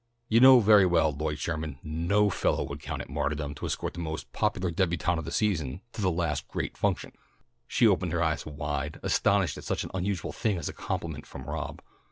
"You know very well, Lloyd Sherman, no fellow would count it martyrdom to escort the most popular débutante of the season to the last great function." She opened her eyes wide, astonished at such an unusual thing as a compliment from Rob.